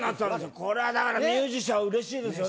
これはミュージシャンは嬉しいですよね